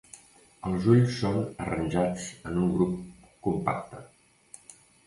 Els ulls són arranjats en un grup compacte.